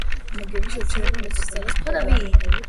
მამა გიორგი შეუჩერებელი ლოცვის ძალას ფლობდა.